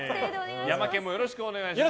ヤマケンもよろしくお願いします。